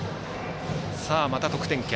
また得点圏。